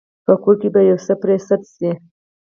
په کور کې به يو څه پرې سد شي.